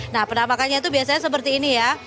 nah penampakannya itu biasanya seperti ini ya